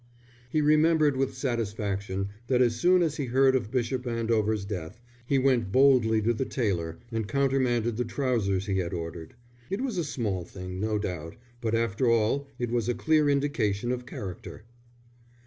He remembered with satisfaction that as soon as he heard of Bishop Andover's death, he went boldly to the tailor and countermanded the trousers he had ordered. It was a small thing, no doubt, but after all it was a clear indication of character.